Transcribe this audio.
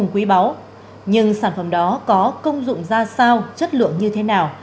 không dụng ra sao chất lượng như thế nào